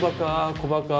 小バ・カー。